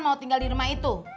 mau tinggal di rumah itu